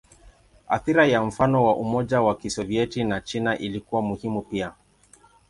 Athira ya mfano wa Umoja wa Kisovyeti na China ilikuwa muhimu pia.